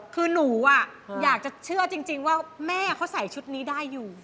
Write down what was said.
คือหนูอยากจะเชื่อจริงว่าแม่เขาใส่ชุดนี้ได้อยู่